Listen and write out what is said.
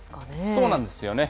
そうなんですよね。